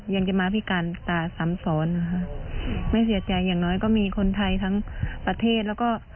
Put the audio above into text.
ยังจะมาพิการตาซ้ำซ้อนนะคะไม่เสียใจอย่างน้อยก็มีคนไทยทั้งประเทศแล้วก็